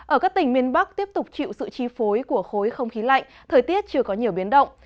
ở các tỉnh miền bắc tiếp tục chịu sự chi phối của khối không khí lạnh thời tiết chưa có nhiều biến động